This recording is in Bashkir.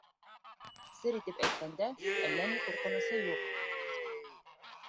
Сер итеп әйткәндә, әллә ни ҡурҡынысы юҡ.